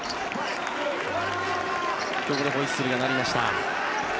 ここでホイッスルが鳴りました。